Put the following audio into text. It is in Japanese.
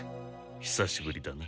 ひさしぶりだな。